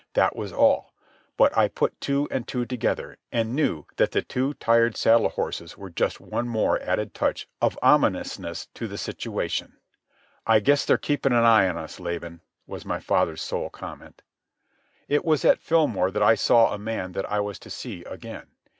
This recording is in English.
That was all. But I put two and two together, and knew that the two tired saddle horses were just one more added touch of ominousness to the situation. "I guess they're keeping an eye on us, Laban," was my father's sole comment. It was at Fillmore that I saw a man that I was to see again.